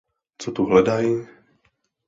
Co tu hledaj?